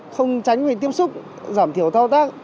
không tránh người tiếp xúc giảm thiểu thao tác